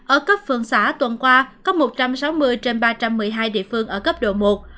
ở cấp phường xã tuần qua có một trăm sáu mươi trên ba trăm một mươi hai địa phương ở cấp độ một